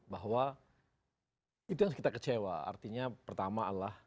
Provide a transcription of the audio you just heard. bahwa itu yang kita kecewa artinya pertama adalah